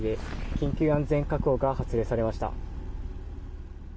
緊急安全確保が発令されました。